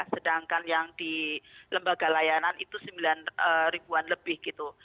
sedangkan yang di lembaga layanan itu sembilan ribuan lebih gitu